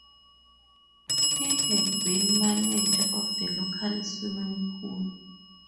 He had been manager of the local swimming pool.